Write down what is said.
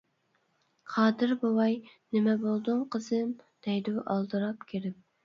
قادىر بوۋاي:-نېمە بولدۇڭ قىزىم؟ -دەيدۇ-ئالدىراپ كىرىپ.